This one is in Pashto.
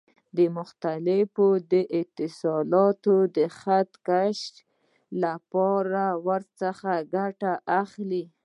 د مختلفو اتصالاتو د خط کشۍ لپاره ورڅخه ګټه اخلي.